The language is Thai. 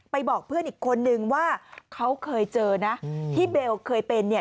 บอกเพื่อนอีกคนนึงว่าเขาเคยเจอนะที่เบลเคยเป็นเนี่ย